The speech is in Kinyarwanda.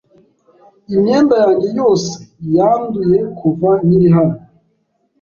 Imyenda yanjye yose yanduye kuva nkiri hano.